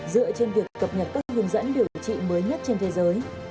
dựa trên việc cập nhật các hướng dẫn điều trị mới nhất trên thế giới